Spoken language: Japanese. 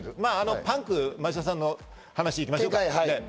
パンク町田さんの話を見ていきましょうか。